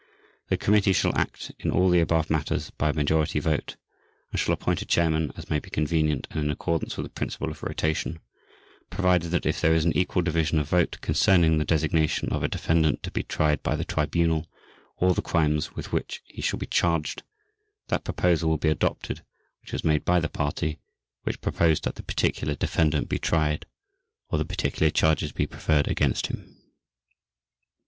The Committee shall act in all the above matters by a majority vote and shall appoint a Chairman as may be convenient and in accordance with the principle of rotation: provided that if there is an equal division of vote concerning the designation of a defendant to be tried by the Tribunal, or the crimes with which he shall be charged, that proposal will be adopted which was made by the party which proposed that the particular defendant be tried, or the particular charges be preferred against him.